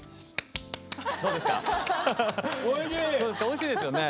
おいしいですよね。